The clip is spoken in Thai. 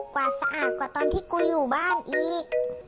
กว่าสะอาดกว่าตอนที่กูอยู่บ้านอีก